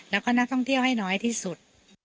แล้วก็นักท่องเที่ยวให้น้อยที่สุด